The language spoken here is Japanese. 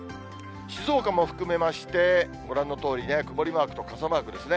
静岡も含めまして、ご覧のとおり、曇りマークと傘マークですね。